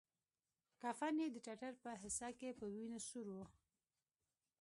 کفن يې د ټټر په حصه کښې په وينو سور و.